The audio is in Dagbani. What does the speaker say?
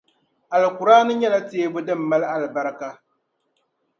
Alkur’aani nyɛla teebu din mali alibaraka.